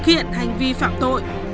thực hiện hành vi phạm tội